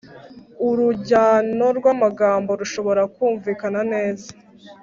urujyano rw’amagambo rushobora kumvikana neza